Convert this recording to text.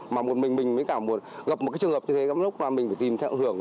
mà một mình mình mới cả gặp một cái trường hợp như thế lúc mà mình phải tìm thượng hưởng